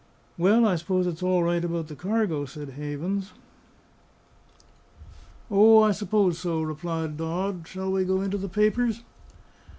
"Well, I suppose it's all right about the cargo," said Havens. "O, I suppose so!" replied Dodd. "Shall we go into the papers?"